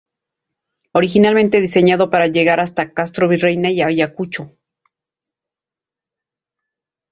Originalmente diseñado para llegar hasta Castrovirreyna y Ayacucho.